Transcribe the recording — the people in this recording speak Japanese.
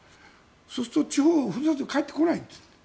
そうすると、地方、故郷に帰ってこないんです。